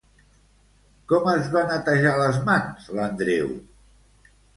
Com es va netejar les mans l'Andreu?